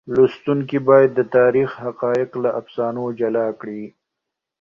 لوستونکي باید د تاریخ حقایق له افسانو جلا کړي.